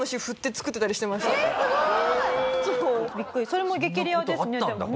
それも激レアですねでもね。